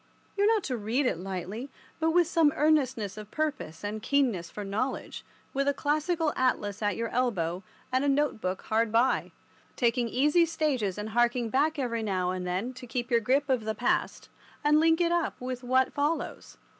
You are not to read it lightly, but with some earnestness of purpose and keenness for knowledge, with a classical atlas at your elbow and a note book hard by, taking easy stages and harking back every now and then to keep your grip of the past and to link it up with what follows.